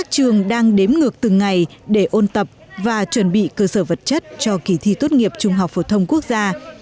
trường đang đếm ngược từng ngày để ôn tập và chuẩn bị cơ sở vật chất cho kỳ thi tốt nghiệp trung học phổ thông quốc gia